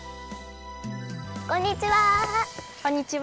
こんにちは！